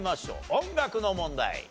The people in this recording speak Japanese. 音楽の問題。